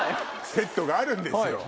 セットがあるんですよ。